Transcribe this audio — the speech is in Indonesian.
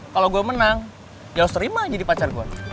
kalau gue menang ya harus terima jadi pacar gue